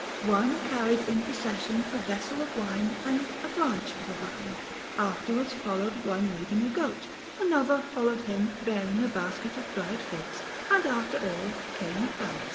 One carried in procession a vessel of wine and a branch of a vine, afterwards followed one leading a goat, another followed him bearing a basket of dried figs, and after all came a phallus.